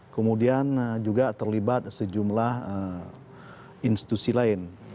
kemudian juga terlibat sejumlah institusi lain